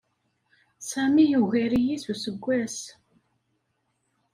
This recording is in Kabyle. Sami yugar-iyi s useggas.